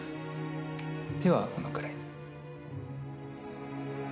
手はこのくらい。